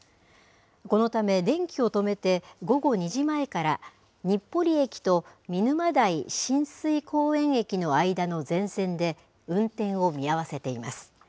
このため、電気を止めて午後２時前から、日暮里駅と見沼代親水公園駅の間の全線で、運転を見合わせています。